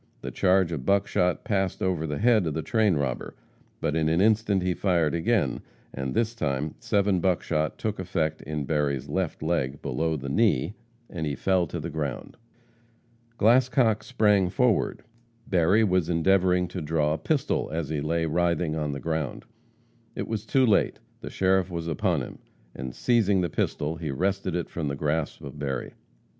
The charge of buckshot passed over the head of the train robber, but in an instant he fired again, and this time seven buckshot took effect in Berry's left leg, below the knee, and he fell to the ground. Glascock sprang forward. Berry was endeavoring to draw a pistol, as he lay writhing on the ground. It was too late; the sheriff was upon him, and, seizing the pistol, he wrested it from the grasp of Berry.